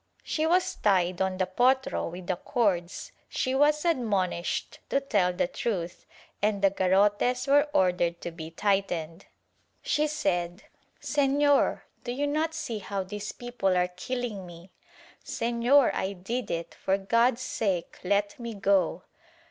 She was tied on the potro with the cords, she was admonished to tell the truth and the garrotes were ordered to be tightened. She said "Sefior do you not see how these people are killing me? Sefior, I did it— for God's sake let me go."